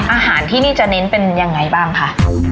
อาหารที่นี่จะเน้นเป็นยังไงบ้างคะ